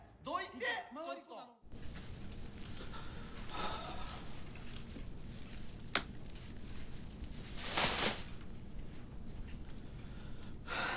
はあ。はあ。